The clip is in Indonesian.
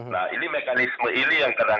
nah ini mekanisme ini yang kita lakukan